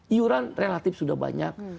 iuran relatif sudah banyak